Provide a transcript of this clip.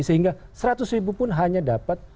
sehingga seratus ribu pun hanya dapat